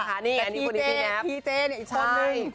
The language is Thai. แต่นี่คนนี้พี่แนปพี่เจเนี่ยอีกต้นนึง